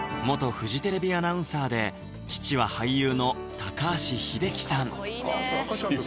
フジテレビアナウンサーで父は俳優の高橋英樹さん